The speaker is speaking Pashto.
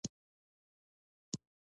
اتومونه خنثي دي او چارج نه لري.